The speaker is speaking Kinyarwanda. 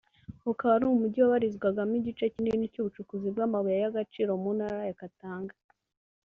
ukaba ari umujyi wabarizwagamo igice kinini cy’ubucukuzi bw’amabuye y’agaciro mu ntara ya Katanga